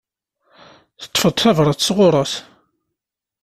Teṭṭfeḍ-d tabrat sɣur-s?